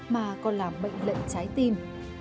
mà cũng là mệnh lệnh trái tim